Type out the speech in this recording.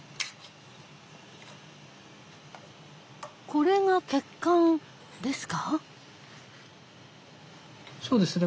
これが血管ですか？